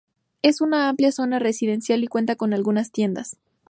Es una amplia zona residencial y cuenta con algunas tiendas.